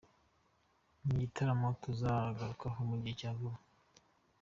Iki gitaramo tuzakigarukaho mu gihe cya vuba.